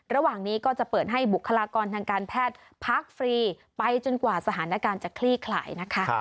ระหว่างนี้ก็จะเปิดให้บุคลากรทางการแพทย์พักฟรีไปจนกว่าสถานการณ์จะคลี่ขลายนะคะ